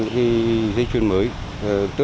khi thi chuyển mới